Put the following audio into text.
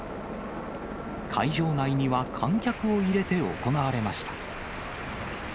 会場内には観客を入れて行われました。